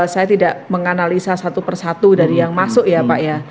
saya tidak menganalisa satu persatu dari yang masuk ya pak ya